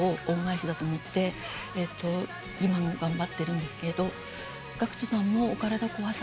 今も頑張ってるんですけど。